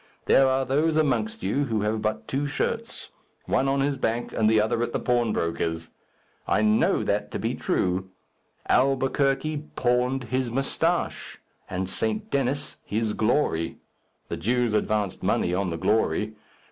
There are those amongst you who have but two shirts one on his back, and the other at the pawnbroker's. I know that to be true. Albuquerque pawned his moustache, and St. Denis his glory. The Jews advanced money on the glory.